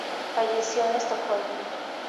Falleció en Estocolmo.